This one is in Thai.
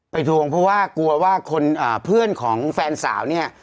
ทวงเพราะว่ากลัวว่าคนเพื่อนของแฟนสาวเนี่ย